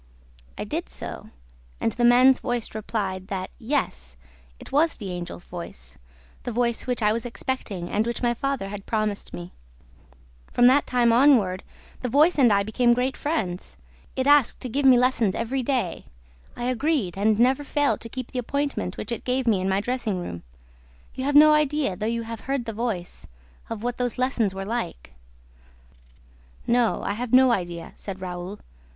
I did so; and the man's voice replied that, yes, it was the Angel's voice, the voice which I was expecting and which my father had promised me. From that time onward, the voice and I became great friends. It asked leave to give me lessons every day. I agreed and never failed to keep the appointment which it gave me in my dressing room. You have no idea, though you have heard the voice, of what those lessons were like." "No, I have no idea," said Raoul.